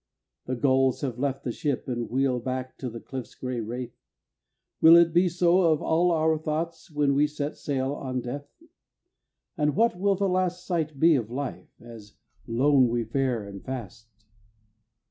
The gulls have left the ship and wheel Back to the cliff's gray wraith. Will it be so of all our thoughts When we set sail on Death? And what will the last sight be of life As lone we fare and fast?